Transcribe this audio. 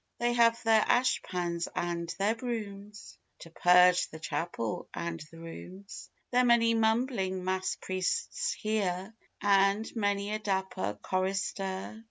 They have their ash pans and their brooms, To purge the chapel and the rooms; Their many mumbling mass priests here, And many a dapper chorister.